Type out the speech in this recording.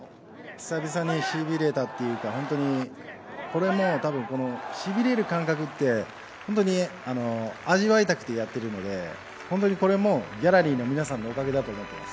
久々にしびれたというか、本当に、これも、多分しびれる感覚って本当に、味わいたくてやってるので、本当にこれもギャラリーの皆さんのおかげだと思っています。